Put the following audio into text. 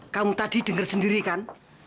kamu tadi dengar sendiri kan